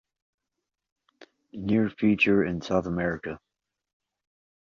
Near future in South America.